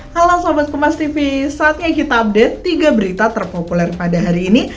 halo sobat kompastv saatnya kita update tiga berita terpopuler pada hari ini